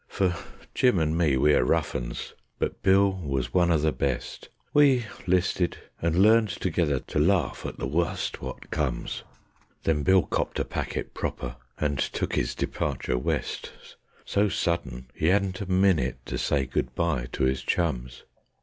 For Jim and me we are rough uns, but Bill was one o' the best; We 'listed and learned together to larf at the wust wot comes; Then Bill copped a packet proper, and took 'is departure West, So sudden 'e 'adn't a minit to say good bye to 'is chums.